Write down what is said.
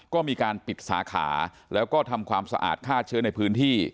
ก็มีการปิดสาขาแล้วก็ทำความสะอาดฆ่าเชื้อในพื้นที่